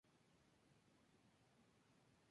¿partáis?